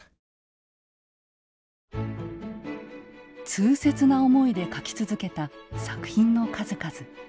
痛切な思いで書き続けた作品の数々。